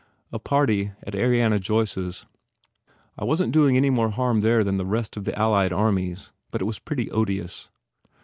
"A party at Ariana Joyce s. I wasn t doing any more harm there than the rest of the Allied armies. But it was pretty odious."